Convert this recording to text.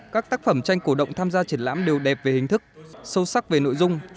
các tác phẩm tranh cổ động tham gia triển lãm đều đẹp về hình thức sâu sắc về nội dung